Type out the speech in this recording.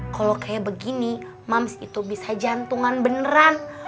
kalau kaya begini moms itu bisa jantungan beneran